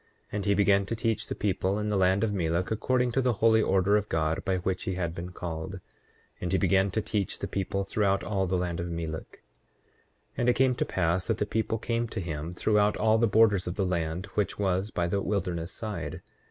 8:4 And he began to teach the people in the land of Melek according to the holy order of God, by which he had been called; and he began to teach the people throughout all the land of Melek. 8:5 And it came to pass that the people came to him throughout all the borders of the land which was by the wilderness side.